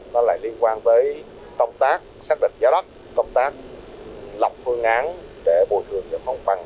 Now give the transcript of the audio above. nó lại liên quan tới công tác xác định giá đất công tác lọc phương án để bồi thường giải phóng mặt bằng